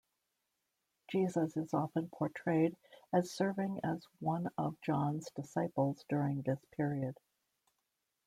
Jesus is often portrayed as serving as one of John's disciples during this period.